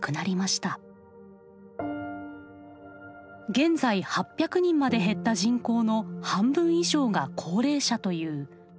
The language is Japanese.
現在８００人まで減った人口の半分以上が高齢者という限界集落。